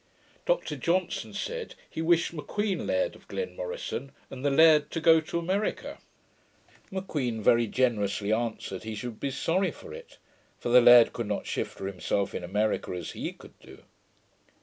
Dr Johnson said, he wished M'Queen Laird of Glenmorison, and the laird to go to America. M'Queen very generously answered, he should be sorry for it; for the laird could not shift for himself in America as he could do.